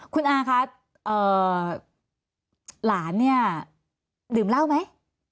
คุณอาคะหลานเนี่ยดื่มเหล้าไหม